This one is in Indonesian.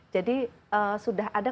jadi sudah ada